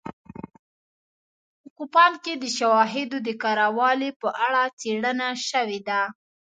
په کوپان کې د شواهدو د کره والي په اړه څېړنه شوې ده